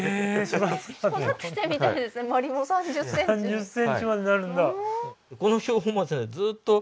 ３０ｃｍまでなるんだ。